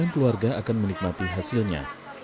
delapan puluh sembilan keluarga akan menikmati hasilnya